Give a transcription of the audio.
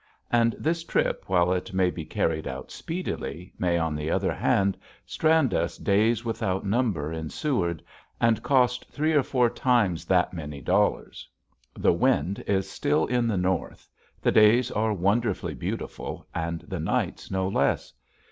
And this trip while it may be carried out speedily may on the other hand strand us days without number in Seward and cost three or four times that many dollars. The wind is still in the North, the days are wonderfully beautiful, and the nights no less.